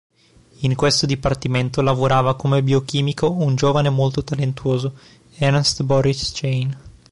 In questo dipartimento lavorava come biochimico un giovane molto talentuoso, Ernst Boris Chain.